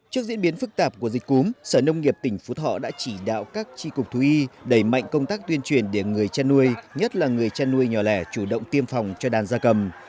trước diễn biến phức tạp của dịch cúm sở nông nghiệp tỉnh phú thọ đã chỉ đạo các tri cục thú y đẩy mạnh công tác tuyên truyền để người chăn nuôi nhất là người chăn nuôi nhỏ lẻ chủ động tiêm phòng cho đàn gia cầm